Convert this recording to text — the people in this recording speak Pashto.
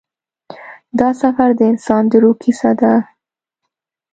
دا سفر د انسان د روح کیسه ده.